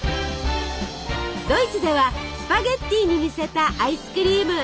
ドイツではスパゲッティに似せたアイスクリーム。